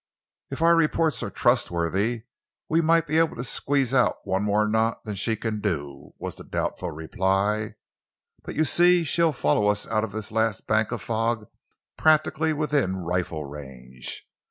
"If our reports are trustworthy, we might be able to squeeze out one more knot than she can do," was the doubtful reply, "but, you see, she'll follow us out of this last bank of fog practically within rifle range.